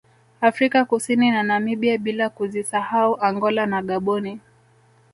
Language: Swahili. Afrika Kusini na Namibia bila kuzisahau Angola na Gaboni